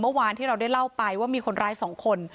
เมื่อวานที่เราได้เล่าไปว่ามีคนร้าย๒คน